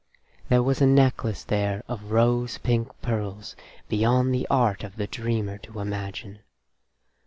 There was a necklace there of rose pink pearls beyond the art of the dreamer to imagine.